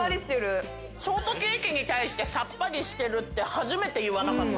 ショートケーキに対して「さっぱりしてる」って初めて言わなかった？